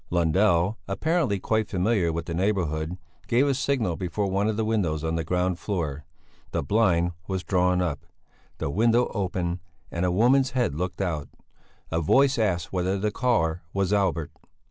Lundell, apparently quite familiar with the neighbourhood, gave a signal before one of the windows on the ground floor; the blind was drawn up; the window opened, and a woman's head looked out; a voice asked whether the caller was Albert?